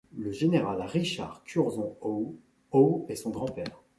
Le général Richard Curzon-Howe, Howe, est son grand-père.